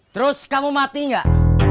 terus kamu mati gak